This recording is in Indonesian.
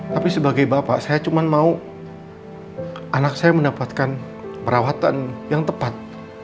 tapi sebagai bapak saya cuma mau anak saya mendapatkan perawatan yang tepat